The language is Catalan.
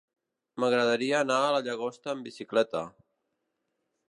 M'agradaria anar a la Llagosta amb bicicleta.